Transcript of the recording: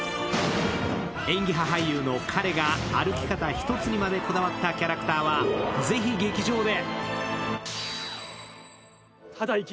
演技派俳優の彼が歩き方１つにまでこだわったキャラクターは、ぜひ劇場で。